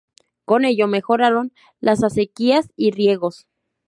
Con ello mejoraron las acequias y riegos.